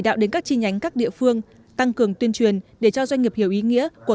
đạo đến các chi nhánh các địa phương tăng cường tuyên truyền để cho doanh nghiệp hiểu ý nghĩa của